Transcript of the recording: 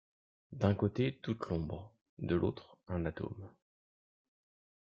D’un côté, toute l’ombre ; de l’autre, un atome.